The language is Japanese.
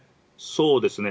そうですね。